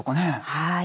はい。